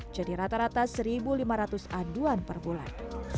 jadi rata rata satu lima ratus aduan per bulan